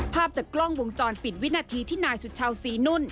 ภาพจากกล้องวงจรปิดวินาทีที่นายสุชาวศรีนุ่น